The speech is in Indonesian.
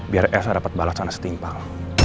biar elsa dapat balas sana setimpal